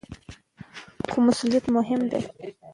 خو مسؤلیت مهم دی.